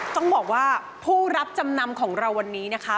ต้องบอกว่าผู้รับจำนำของเราวันนี้นะคะ